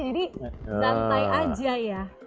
jadi rantai aja ya